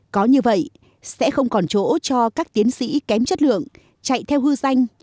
có như vậy sẽ không còn chỗ cho các tiến sĩ kém chất lượng chạy theo hư danh